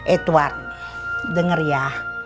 edward denger ya